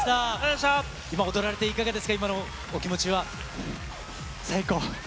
今、踊られていかがですか、今のお気持ちは。